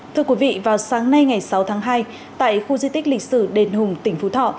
thưa quý vị vào sáng nay ngày sáu tháng hai tại khu di tích lịch sử đền hùng tỉnh phú thọ